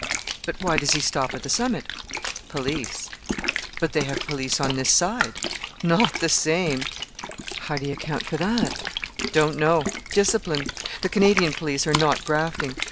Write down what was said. "But why does he stop at the summit?" "Police." "But they have police on this side." "Not the same." "How do you account for that?" "Don't know: discipline! The Canadian police are not grafting.